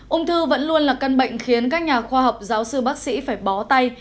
ung thư vẫn luôn là căn bệnh khiến các nhà khoa học giáo sư bác sĩ phải bó tay